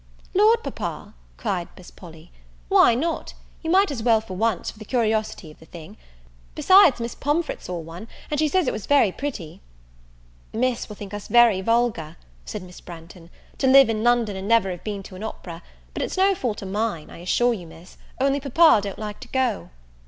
"Lord, papa," cried Miss Polly, "why not? you might as well for once, for the curiosity of the thing: besides, Miss Pomfret saw one, and she says it was very pretty." "Miss will think us very vulgar," said Miss Branghton, "to live in London, and never have been to an opera; but it's no fault of mine, I assure you, Miss, only papa don't like to go."